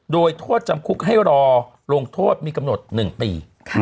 โดยโทษจำคุกให้รอลงโทษมีกำหนด๑ปี